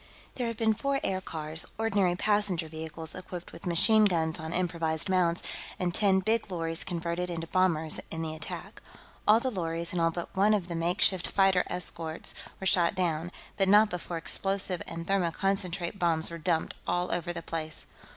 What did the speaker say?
There had been four aircars, ordinary passenger vehicles equipped with machine guns on improvised mounts, and ten big lorries converted into bombers, in the attack. All the lorries, and all but one of the makeshift fighter escort, were shot down, but not before explosive and thermoconcentrate bombs were dumped all over the place.